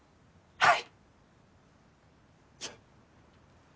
はい！